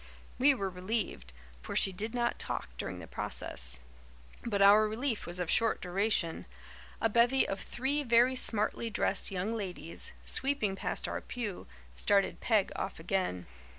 We were relieved, for she did not talk during the process; but our relief was of short duration. A bevy of three very smartly dressed young ladies, sweeping past our pew, started Peg off again.